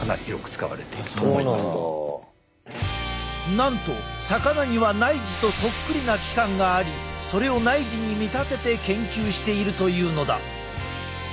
なんと魚には内耳とそっくりな器官がありそれを内耳に見立てて研究しているというのだ。